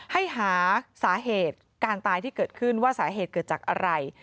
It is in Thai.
ให้หาสาเหตุการตายที่เกิดขึ้นว่าสาเหตุเกิดจากอะไร